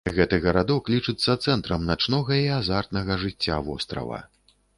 Гэты гарадок лічыцца цэнтрам начнога і азартнага жыцця вострава.